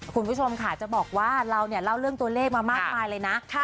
คุณผู้ชมค่ะจะบอกว่าเราเนี่ยเล่าเรื่องตัวเลขมามากมายเลยนะ